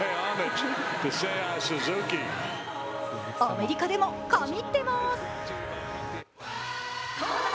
アメリカでも神ってまーす。